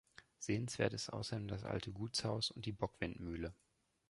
Sehenswert ist außerdem das alte Gutshaus und die Bockwindmühle.